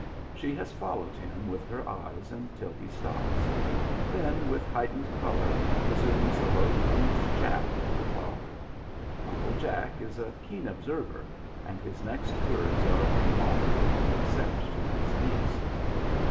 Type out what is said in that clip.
She has followed him with her eyes until he stops; then with heightened color resumes a low toned chat with her father. Uncle Jack is a keen observer, and his next words are inaudible except to his niece.